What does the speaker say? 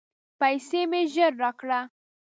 پیسې مي ژر راکړه !